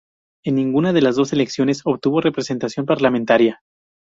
En ninguna de las dos elecciones obtuvo representación parlamentaria.